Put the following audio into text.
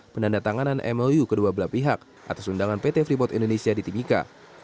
penanda tanganan mlu kedua belah pihak atas undangan pt freeport indonesia di timika